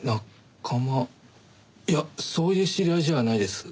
いやそういう知り合いじゃないです。